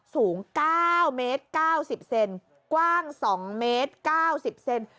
สูง๙เมตร๙๐เซนกว้าง๒เมตร๙๐เซน